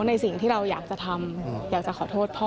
ในสิ่งที่เราอยากจะทำอยากจะขอโทษพ่อ